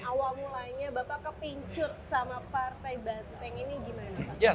awal mulanya bapak kepincut sama partai banteng ini gimana pak